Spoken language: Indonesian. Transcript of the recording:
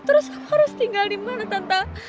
terus aku harus tinggal dimana tante